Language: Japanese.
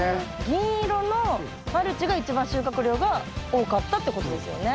銀色のマルチが一番収穫量が多かったってことですよね。